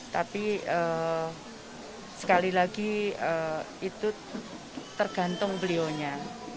tapi sekali lagi itu tergantung beliaunya